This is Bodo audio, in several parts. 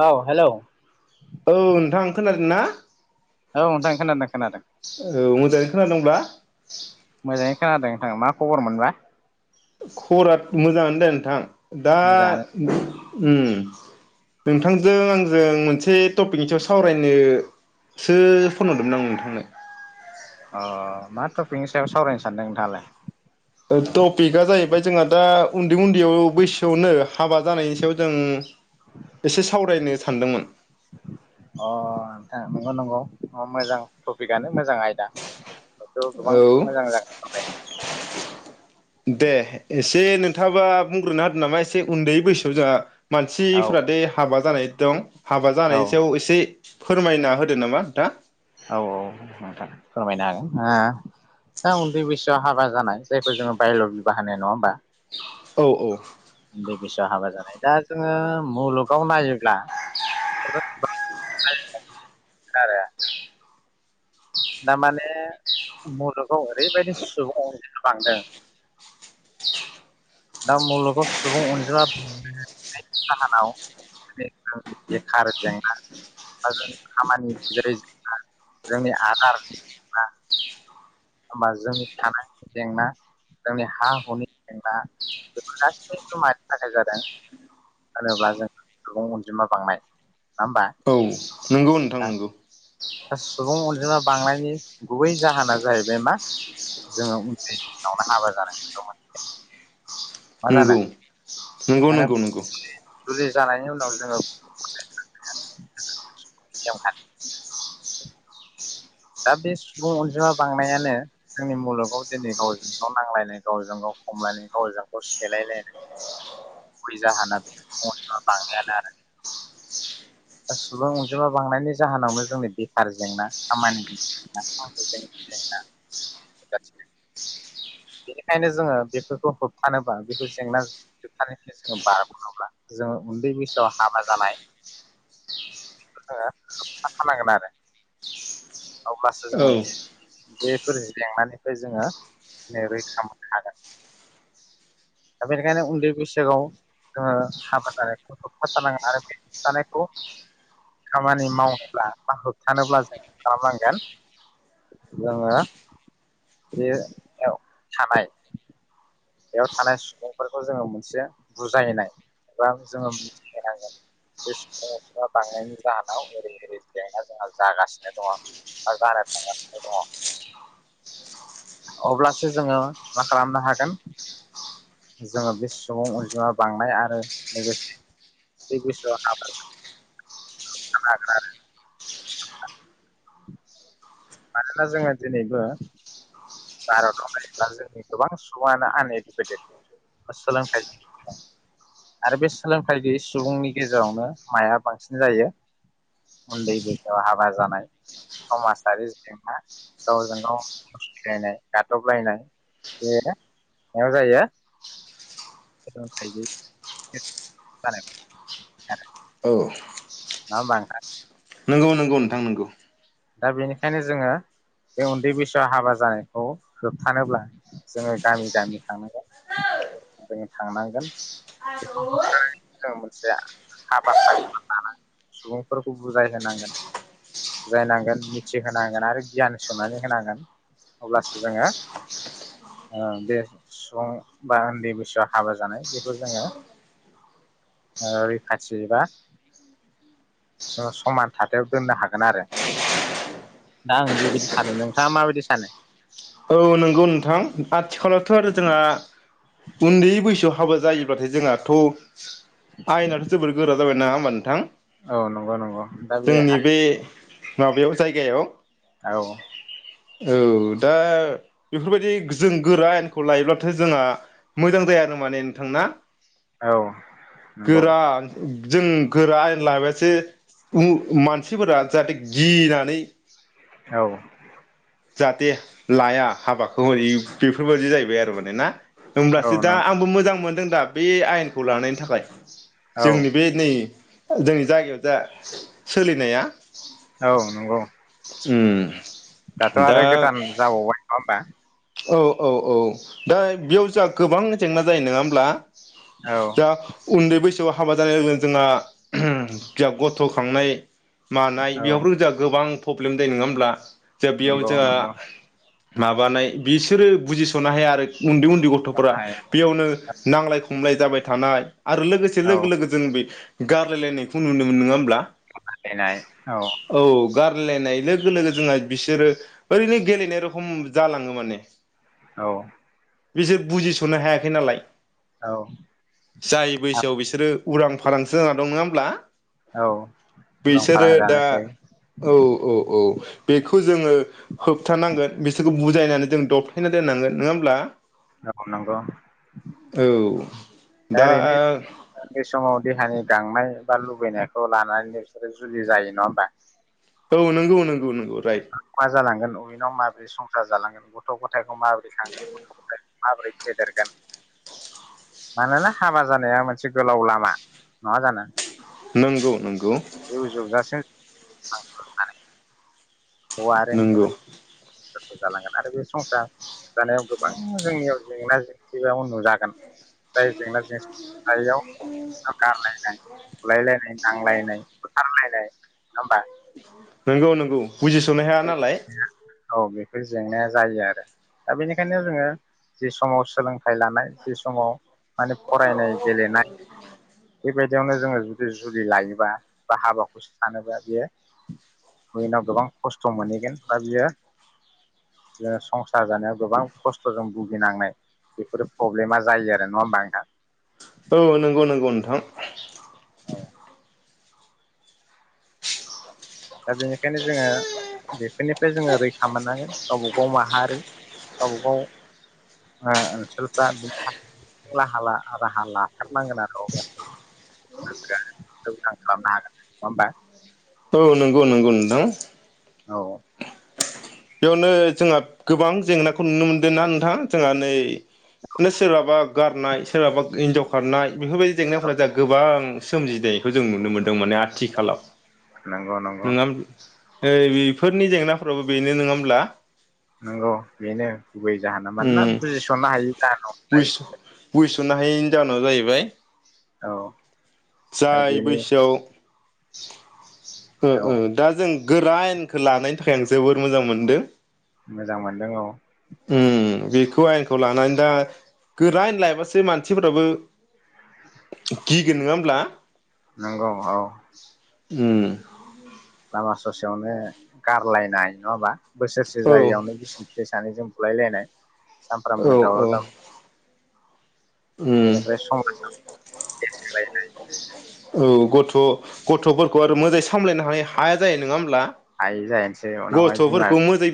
औ हेलौ। औ नोंथां खोनादोना? नोंथां खोनादों खोनादों औ मोजाङै खोनादोंब्ला? [inaudible] मोजाङै खोनादों नोंथां मा खबर मोनबा? खबरा मोजाङानो दे नोंथां। दा मोजाङानो ओम ओम नोंथांजों आंजों मोनसे टपिकनि सायाव सावरायनोसो फन हरदोंमोन आं नोंथांनो। अ मा टपिकनि सायाव सावरायनो सानदों नोंथाङालाय? ओ टपिकआ जाहैबाय जोंहा दा उन्दै उन्दैयाव बैसोआवनो हाबा जानायनि सायाव जों एसे सावरायनो सानदोंमोन। अ नोंथां नंगौ नंगौ मोजां टपिकआनो मोजां आयदा। बेथ' गोबां औ मोजां जागोन सावरायनो दे एसे नों थाङाबा बुंग्रोन होदो नामा एसे उन्दै बैसोआव जाहा औ मानसिफोरादि हाबा जानाय दं हाबा औ जानायनि सायाव एसे फोरमायना होदो नामा नोंथाङा। औ औ नोंथां फोरमायनो हागोन। आ दा उन्दै बैसोआव हाबा जानाय जायफोर जोङो बायल' बिबाह होनाय नङा होमबा? औ उन्दै बैसोयाव हाबा जानाय दा जोङो मुलुगाव नायोब्ला [unintelligible] [unintelligible] दामाने मुलुगाव ओरैबायदि सुबुं अनजिमा बांदों दा मुलुगाव सुबुं अनजिमा बांनायनि जाहोनाव जे बेखार जेंना बा जों खामानि जेरै जेंना जोंनि आदारनि जेंना होनबा जोंनि थानायनि जेंना, जोंनि हा हुनि जेंना, बेफोर गासैबो मानि थाखाय जादों होनोब्ला जों सुबुं अनजिमा बांनाय नङा होमबा औ नंगौ नोंथां नंगौ दा सुबुं अनजिमा बांनायनि गुबै जाहोना जाहैबाय मा जोङो उन्दै बेसावनो हाबा जानानै दंमोन नोंगौ नंगौ माने नंगौ नंगौ जुलि जानायनि उनाव जोङो दा बे सुबुं अनजिमा बांनायानो जोंनि मुलुगाव दिनै गावजों गाव नांलायनाय गावजों गाव खमलायनाय गावजों गाव सेलायलायनाय गुबै जाहोना बे सुबुं अनजिमा बांनायानो आरो दा सुबुं अनजिमा बांनायनि जाहोनावनो जोंनि बेखार जेंना खामानि [unintelligible] बेनिखायनो जोङो बेफोरखौ होबथानोबा बेफोर जेंना होबथानायफ्राय जोङो बारग'नोब्ला जोङो उन्दै बैसोआव हाबा जानाय बेखौ जोङो होबथाथारनांगोन आरो। अब्लासो औ जोङो बेफोर जेंनानिफ्राय जोङो रै-रैखा मोननो हागोन। दा बेनिखायनो उन्दै बैसागआव जोङो हाबा जानायखौ होबथा थारनांगोन आरो बे होबथानायखौ खामानि मावनोब्ला बा होबथानोब्ला जों खालामनांगोन जोङो बेयाव थानाय बेयाव थानाय सुबुंफोरखौ जोङो मोनसे बुजायनाय एबा जोङो मिथि होनांगोन जे सुबुंफोरा बांनायनि जाहोनाव ओरै ओरै जेंना जोंहा जागासिनो दङ बा जानो थांगासिनो दङ अब्लासो जोङो मा खालामनो हागोन जोङो बे सुबुं अनजिमा बांनाय आरो लोगोसे बे बैसोयाव हाबा जानायखौ होबथानो हागोन आरो मानोना जोङो दिनैबो भारताव नायोब्ला जोंनि गोबां सुबुङानो आनइडुकेटेड सोलोंथाइ गयै आरो बे सोलोंथाइ गैयै सुबुंनि गेजेरावनो माइआ बांसिन जायो उन्दै बैसोआव हाबा जानाय। समाजारि जेंना गावजों गाव [unintelligible] गादबलायनाय बेयो माइयाव जायो सोलोंथाइ जानाय आरो औ मा बा नंगौ नंगौ नोंथां नोंगौ दा बेनिखायनो जोङो बे उन्दै बैसोआव हाबा जानायखौ होबथानोब्ला जोङो गामि गामि थांनांगोन जोङो थांनांगोन बेखौ होबथानानै जोङ मोनसे हाबाफारिफोर लाना सुबुंफोरखौ बुजायहांगोन बुजायनांगोन मिथिहोनांगोन आरो गियान सोंनानै होनांगोन अब्लासो जोङो ओ बे सुबुं बा उन्दै बैसोआव हाबा जानाय बेखौ जोङो रैखाथि बा जोङो समान थाथायाव दोननो हागोन आरो दा आं बेबायदि सानो नोंथाङा माबायदि सानो औ नंगौ नोंथां आथिखालावथ' आरो जोंहा उन्दै बैसोआव हाबा जायोब्लाथाय जोंनााथ' आयनाथ' जोबद गोरा जाबाय नङा होनबा नोंथां औ नंगौ नंगौ दा बे माबायाव जायगायाव औ औ दा बेफोरबायदि जों गोरा आयेनखौ लायोब्लाथाय' जोंहा मोजां जाय आरो माने नोंथांना नंगौ गोरा जों गोरा आयेन लाबासो मानसिफोरा जाहाथे गिनानै औ जाहाथे लाया हाबाखौ बेफोरबायाददि जाहैबाय आरो माने ना औ होमब्लासो दा नं आंबो मोजां मोन दा बे आयेनखौ लानायनि थाखाय औ जोंनि बे नै जोंनि जायगायाव दा सोलिनाया औ नंगौ ओ दाथ' आरो गोदान जाबावबाय नङा होमबा औ औ औ दा बेयाव जों गोबां जेंना जायो नङा होमब्ला दा औ उन्दै बैसो आव हाबा जानाय लोगो जोंहा गथ'खांनाय मानाय औ बेयावफोर जोंहा गोबां प्रब्लेम जायो नङा होनब्ला दा बेयाव नंगौ जोंहा नंगौ माबानाय बिसोरो बुजिस'नो हाया आरो उन्दै उन्दै खिथानो गथ'फोरा हाया बेयावनो नांज्लाय खमलाय जाबाय थानाय आरो लोगोसे औ लोगो लोगो जों बे गारलायलायनायखौ नुनो मोनो नङा होनब्ला [unintelligible] औ गारलायनाय लोगो लोगो जोंहा बिसोरो ओरैनो गेलेनाय रोखोम जालाङो माने औ बिसोर बुजिसनो हायाखै नालाय औ जाय बैसोआव बिसोरो उरां फारांसो जाना दं नङा होमब्ला? औ उरां बिसोरो फारां दा जानोसै औ औ औ बेखौ जोङो होबथानांगोन बिसोरखौ बुजायनानै जों दबथायना दोननांगोन नङा होमब्ला? औ नंगौ औ दा ओरैनो बे समाव देहानि गांनाय बा लुबैनायखौ लानानै बिसोरो जुलि जायो नङा होमबा? औ नंगौ नं मा जालांगोन [unintelligible] माबोरै संसार जालांगोन गथ गथाय माबोरै खांगोन गथ गथाय माबोरै फेदेरगोन मानोना हाबा जानाया मोनसे गोलाव लामा नङा जानो? नंगौ नंगौ। जिउ जोबजासिम [unintelligible] नंगौ। संसारखौ जालांगोन आरो बे संसार जानायाव गोबां जोंनियाव जेंना जेंसि नुजागोन। जाय जेंना जेंसियाव गारलायनाय, बुलायलायनाय, नांलायनाय, बुथारलायनाय नङा होनबा नंगौ नंगौ। बुजिसनो हाया नालाय। बे जेंनाया जायो आरो दा बेनिखायनो जोङो जि समाव सोलोंथाइ लानाय जि समाव माने फरायनाय गेलेनाय बेबायदियावनो जोङो जुदि जुलि लायोबा बा हाबाखौसो सानोबा बियो इयुनाव गोबां खस्थ मोनहैगोन बा बियो ओ संसार जानायाव गोबां खस्थजों भुगिनांनाय बेफोरो प्रब्लेमा जायो आरो नङा होमबा नोंथां? औ नंगौ नंगौ नोंथां। औ दा बेनिखायनो जोङो बेफोरनिफ्राय जोङो रैखा मोननांगोन गावबा गाव माहारि गावबा गाव ओनसोलफ्रा बिनि थाखाय राहा लाथारनांगोन आरो अब्लासो [unintelligible] खालामनो हागोन नङा होमबा? औ नंगौ नंगौ नोंथां। औ बेयावनो जोंहा गोबां जेंनाखौ नुनो मोनदों ना नोंथां जोंहा नै [unintelligible] सोरहाबा गारनाय सोरहाबा हिनजाव खारनाय बेफोरबायदि औ जेंनाफोरा दा गोबां सोमजिनायखौ जों नुनो मोन्दों माने आथिखालाव नंगौ नंगौ ओ बेफोरनि जेंनाफोराबबो बे नो नङा होमब्ला नंगौ बेनो गुबै जाहोना मानोना बुजिसननो हायो जाहोन सुना हायिनि जउोनाव जाहैबाय औ आरो जाय बेनि बैसोआव ओ औ ओ दा जों गोरानानखौ लानायनि थाखाय आं जोबोर मोजां मोनदों। मोजां मोनदों औ। बेखौ आयेनखौ लानानै दा गोरान आन लायबासो मानसिफोराबो गिगोन नङा ब्ला नंगौ औ उम लामा ससेयावनो गारलायनाय नङा होमबा बोसोरसे औ जायैयावनो बिसि फिसाय सानै जों बुलायलायनाय औ सामफ्रामबो औ दावराव दावसि बेनिफ्राय समाज एसरे लायनाय औ गथ' गथ'फोरखौ आरो मोजाङै सामलायनो हानाय हाया जायो नङा होमब्ला हायै जाहैनोसै उनावहाय बिमा गस्थ'फोरखौ मोजाङै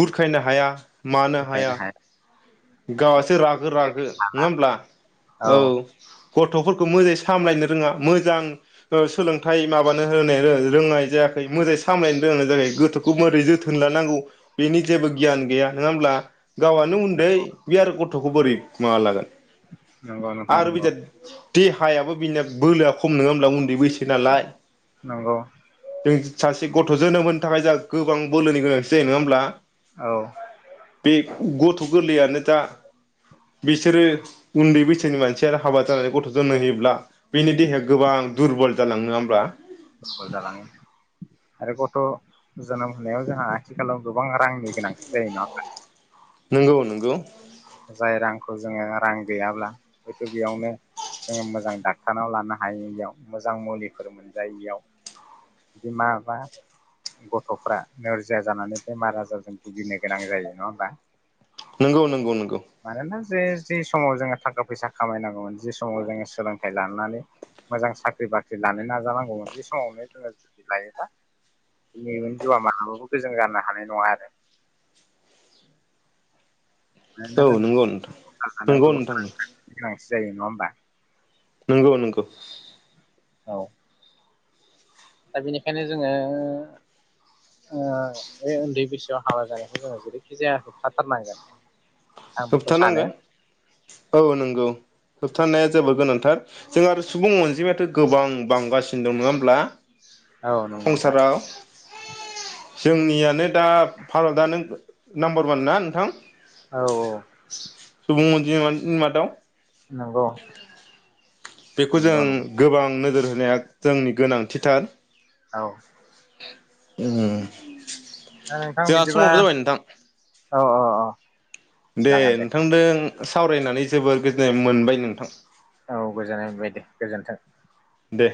बुुरखायनो हाया मानो हाया गावासो रागो रागो नङा होमब्ला औ गथ'फोरखौ मोजाङै सामलायनो रोङा मोजां सोलोंथाइ माबानो होनाय रोंनाय जायाखै मोजाङै सामलायनो रोंनाय जायाखै गोथौखौ मोरै जोथोन लानांगौ बेनि जेबो गियान गैया नङा होमब्ला गावआनो उन्दै - बे आरो गथ'खौ बोरै माबा लागोन नंगौ नोंथां आरो नंगौ बिजाद देहायाबो बिनिया बोलोआ खम नङा होमब्ला उन्दै बैसो नालाय नंगौ जों सासे गथ' जोनोम होनो थाखाय जाहा गोबां बोलोनि गोनांथि जायो नङा होमब्ला औ बे गथ थ गोरलैयानो दा बिसोरो उन्दै बैसोनि मानसिया हाबा जानानै गथ' जोनोम होयोब्ला बिनि देहाया गोबां दुरबल जालाङो नङा होमब्ला जालाङो आरो गथ जोनोम होनायाव जोंहा आथिखालाव गोबां रांनि गोनांथि जायो नङा होनबा नंगौ नंगौ जाय रांखौ जोङो रां गैयाब्ला हयथ बेयावनो जोङो मोजां डक्टरनाव लानो हायियाव मोजां मुलिफोर मोनजायियाव बिमा बा गथफ्रा नोरजिया जानानै बेमार आजारजों भुगिनो गोनां जायो नङा होमबा नंगौ नंगौ नंगौ मानोना जे जि समाव जोङो थाखा फैसा खामायनांगौमोन जि समाव जोङो सोलोंथाइ लानानै मोजां साख्रि बाख्रि लानो नाजानांगौमोन बे समावनो जोङो जुलि लायोब्ला इयुन जिउआ मालाबाबो गोजोन जानो हानाय नङा आरो मानोना औ जोंहा नंगौ नोथां संसार जानायाव नंगौ गोबां नोंथां नंगौ गोनांथि जायो नङा होमबा नोंगौ नोंगौ औ दा बेनिखायनो जोङो बे उन्दै बैसोआव हाबा जानायखौ जोङो जेरैखि जाया होबफाथारनांगोन होबथानांगोन औ नंगौ होब थानाया जोबोद गोनांथार जों आरो सुबुं अनजिमायाथ गोबां बांगासिनो दं नङा होमब्ला। औ नंगौ नोंथां संसाराव जोंनियानो दा भारतआनो नाम्बार वान ना नोंथां औ औ सुबुं अनजिमानि मादाव नंगौ बेखौ जों नंगौ नंगौ गोबां नोजोर होनाया जोंनि गोनांथिथार। औ। उम। दा नोंथां जोंहा बिदिबा समाबो जाबाय नोंथां। औ औ औ दे नोंथांदों सावरायनानै जोबोर गोजोननाय मोनबाय नोंथां। औ गोजोननाय मोनबाय दे गोजोन्थों। दे।